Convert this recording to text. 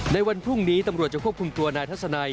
ในวันพรุ่งนี้ตำรวจจะควบคุมตัวนายทัศนัย